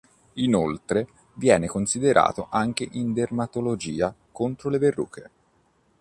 Inoltre viene considerato anche in dermatologia contro le verruche.